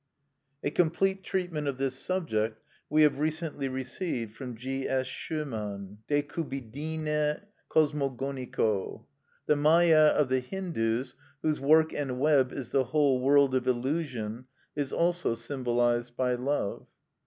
A complete treatment of this subject we have recently received from G. F. Schœmann, "De Cupidine Cosmogonico," 1852. The Mâya of the Hindus, whose work and web is the whole world of illusion, is also symbolised by love.